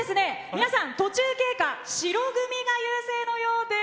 皆さん、途中経過では白組が優勢のようです。